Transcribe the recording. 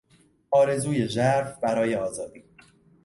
آرزوی ژرف برای آزادی